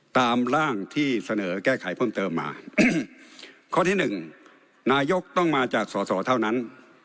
ตามร่างที่เสนอแก้ไขเพิ่มเติมมาข้อที่หนึ่งนายกต้องมาจากสอสอเท่านั้น